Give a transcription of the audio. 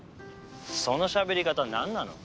そのしゃべり方なんなの？